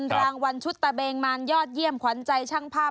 รางวัลชุดตะเบงมารยอดเยี่ยมขวัญใจช่างภาพ